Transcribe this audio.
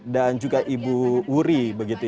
dan juga ibu wuri begitu ya